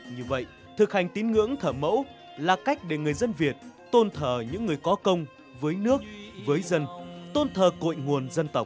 như vậy thực hành tín ngưỡng thờ mẫu là cách để người dân việt tôn thờ những người có công với nước với dân tôn thờ cội nguồn dân tộc